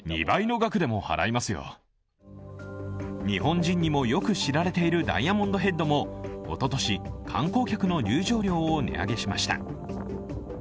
日本人にもよく知られているダイヤモンドヘッドもおととし、観光客の入場料を値上げしました。